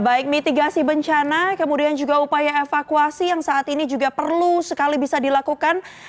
baik mitigasi bencana kemudian juga upaya evakuasi yang saat ini juga perlu sekali bisa dilakukan